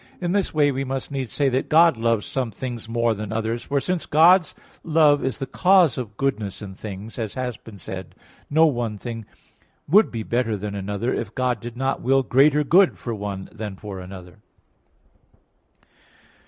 In this way we must needs say that God loves some things more than others. For since God's love is the cause of goodness in things, as has been said (A. 2), no one thing would be better than another, if God did not will greater good for one than for another.